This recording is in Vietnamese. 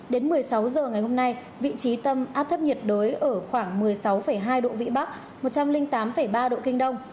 đến một mươi sáu h ngày hôm nay vị trí tâm áp thấp nhiệt đới ở khoảng một mươi sáu hai độ vĩ bắc một trăm linh tám ba độ kinh đông